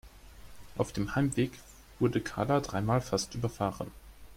Auf dem Heimweg wurde Karla dreimal fast überfahren.